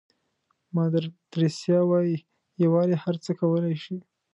مادر تریسا وایي یووالی هر څه کولای شي.